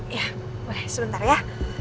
iya boleh sebentar ya